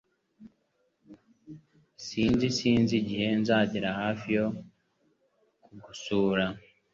S Sinzi Sinzi igihe nzagera hafi yo kugusura